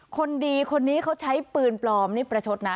คนดีคนนี้เขาใช้ปืนปลอมนี่ประชดนะ